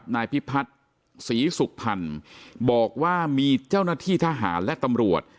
นายพิพัฒน์ศรีสุขพันธ์บอกว่ามีเจ้าหน้าที่ทหารและตำรวจ